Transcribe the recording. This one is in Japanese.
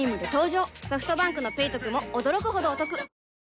ソフトバンクの「ペイトク」も驚くほどおトク